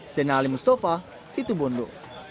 senali mustafa situ bondo